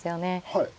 はい。